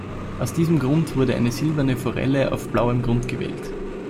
Aus diesem Grund wurde eine silberne Forelle auf blauem Grund gewählt.